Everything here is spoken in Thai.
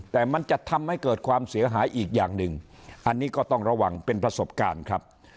แต่มันจะทำให้เกิดความเสียหายอีกอย่างหนึ่งอันนี้ก็ต้องระวังเป็นประสบการณ์ครับ